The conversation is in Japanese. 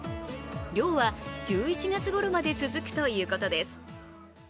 漁は１１月ごろまで続くということです。